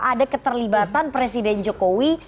ada keterlibatan presiden jokowi